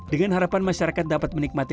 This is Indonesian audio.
dengan harapan masyarakat dapat menikmati